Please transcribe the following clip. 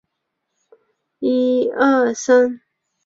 她是中国历史上寿命最长的皇后之一。